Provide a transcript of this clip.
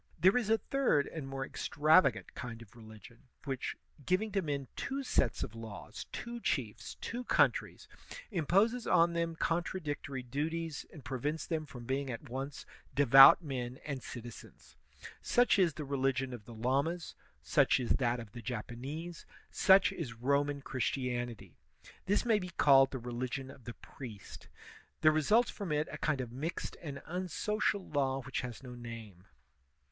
There is a third and more extravagant kind of religion, which, giving to men two sets of laws, two chiefs, two countries, imposes on them contradictory duties, and pre vents them from being at once devout men and citizens. Such is the religion of the Lamas, such is that of the Japanese, such is Roman Christianity. This may be called the religion of the priest. There results from it a kind of mixed and unsocial law which has no name.